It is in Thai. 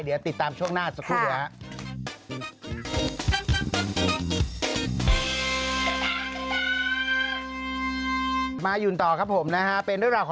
เดี๋ยวติดตามช่วงหน้าสักครู่แล้ว